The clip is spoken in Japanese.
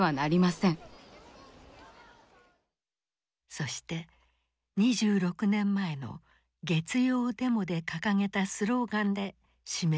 そして２６年前の月曜デモで掲げたスローガンで締めくくった。